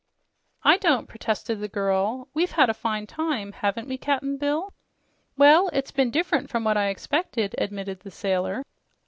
"I don't," protested the girl. "We've had a fine time, haven't we, Cap'n Bill?" "Well, it's been diff'rent from what I expected," admitted the sailor.